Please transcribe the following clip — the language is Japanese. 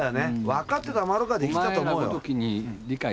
分かってたまるかで生きたと思うよ。